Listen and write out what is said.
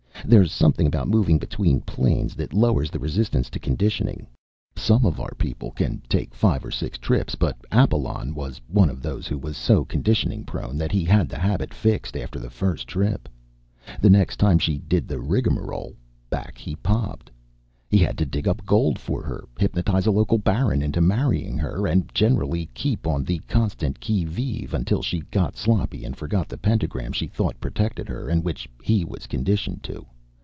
There's something about moving between planes that lowers the resistance to conditioning. Some of our people can take five or six trips, but Apalon was one of those who was so conditioning prone that he had the habit fixed after the first trip. The next time she did the rigamarole, back he popped. He had to dig up gold for her, hypnotize a local baron into marrying her, and generally keep on the constant qui vive, until she got sloppy and forgot the pentagram she thought protected her and which he was conditioned to.